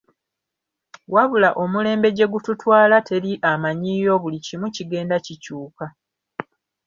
Wabula omulembe gye gututwala teri amanyiyo buli kimu kigenda kikyuka.